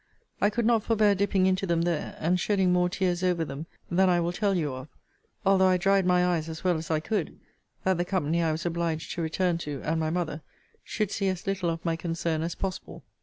I could not forbear dipping into them there; and shedding more tears over them than I will tell you of; although I dried my eyes as well as I could, that the company I was obliged to return to, and my mother, should see as little of my concern as possible.